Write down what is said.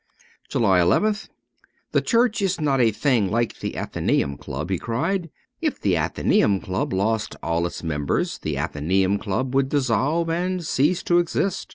JULY nth THE Church is not a thing like the Athenaeum Club, ' he cried. ' If the Athenaeum Club lost all its members, the Athenaeum Club would dissolve and cease to exist.